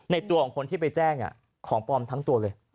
ตัวของคนที่ไปแจ้งของปลอมทั้งตัวเลย